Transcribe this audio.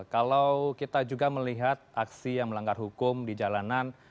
kalau kita juga melihat aksi yang melanggar hukum di jalanan